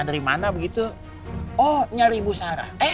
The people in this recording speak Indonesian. lalu dia mencoba untuk menjelaskan ibu sarah